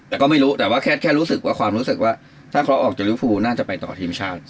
แต่ก็ไม่รู้แต่ว่าแค่รู้สึกว่าความรู้สึกว่าถ้าเขาออกจากริวฟูน่าจะไปต่อทีมชาติ